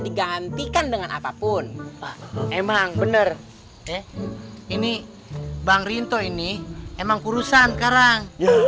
digantikan dengan apapun emang bener eh ini bang rinto ini emang urusan sekarang